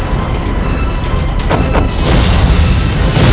aku harus menjauh dari panganmu yang mudas